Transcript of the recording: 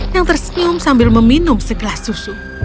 yang tersenyum sambil meminum segelas susu